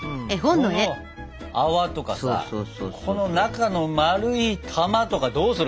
この泡とかさこの中の丸い玉とかどうする？